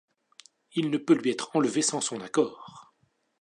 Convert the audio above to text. Il ne peut lui être enlevé sans son accord.